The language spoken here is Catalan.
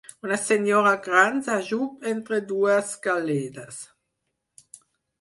Una senyora gran s'ajup entre dues galledes.